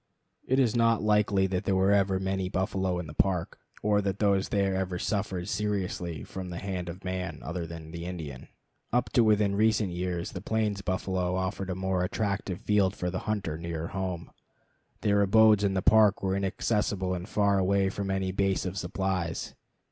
It is not likely that there ever were many buffalo in the Park, or that those there ever suffered seriously from the hand of man other than the Indian. Up to within recent years the plains buffalo offered a more attractive field for the hunter nearer home. Their abodes in the Park were inaccessible and far away from any base of supplies.